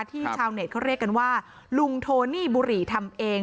ชาวเน็ตเขาเรียกกันว่าลุงโทนี่บุหรี่ทำเอง